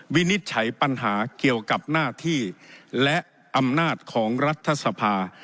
วินิจฉัยปัญหาเกี่ยวกับหน้าที่และอำนาจของรัฐสภา